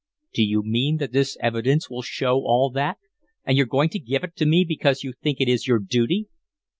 "Do you mean that this evidence will show all that? And you're going to give it to me because you think it is your duty?"